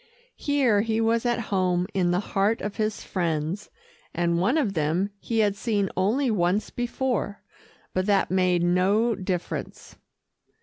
Here he was at home in the heart of his friends, and one of them he had seen only once before. But that made no difference.